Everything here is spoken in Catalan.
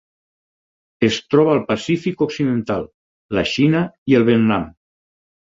Es troba al Pacífic occidental: la Xina i el Vietnam.